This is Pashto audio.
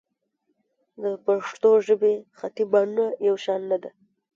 د پښتو ژبې خطي بڼه یو شان نه ده.